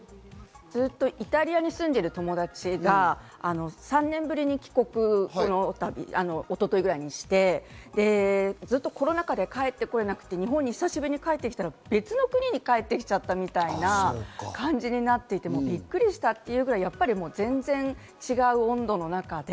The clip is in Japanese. ずっとイタリアに住んでいる友達が３年ぶりに帰国、一昨日ぐらいにして、ずっとコロナ禍で帰って来れなくて、日本に久しぶりに帰ってきたら、別の国に帰ってきちゃったみたいな感じになっていて、びっくりしたというくらいやっぱり全然違う温度の中で。